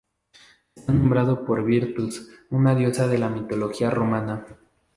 Está nombrado por Virtus, una diosa de la mitología romana.